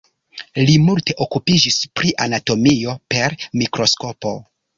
Li multe okupiĝis pri anatomio per mikroskopo.